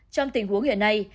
trong tình huống hiện nay